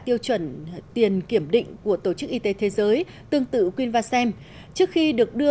tiêu chuẩn tiền kiểm định của tổ chức y tế thế giới tương tự winvasm trước khi được đưa